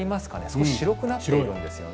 少し白くなっているんです。